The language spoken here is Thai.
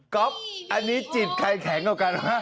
ก๊อฟอันนี้จิตใครแข็งกว่ากันฮะ